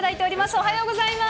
おはようございます。